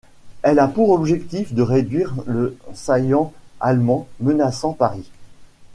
Elle a pour objectif de réduire le saillant allemand menaçant Paris.